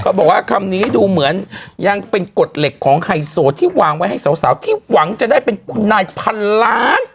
บอกว่าคำนี้ดูเหมือนยังเป็นกฎเหล็กของไฮโซที่วางไว้ให้สาวที่หวังจะได้เป็นคุณนายพันล้าน